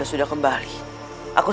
jangan kami memasakmu